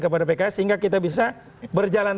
kepada pks sehingga kita bisa berjalan